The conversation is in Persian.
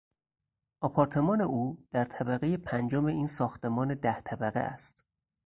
آپارتمان او در طبقهی پنجم این ساختمان ده طبقه است.